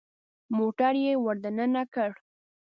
موټر يې ور دننه کړ.